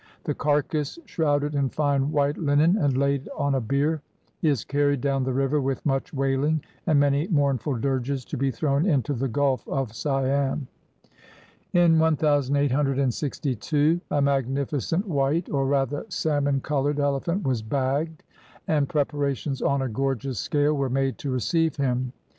The carcass, shrouded in fine white linen and laid on a bier, is carried down the river with much wailing and many mournful dirges, to be thrown into the Gulf of Siam. In 1862, a magnificent white —■ or, rather, salmon colored — elephant was "bagged," and preparations on a gorgeous scale were made to receive him.